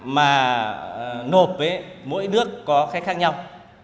mà nộp với mỗi nước có khác khác nhau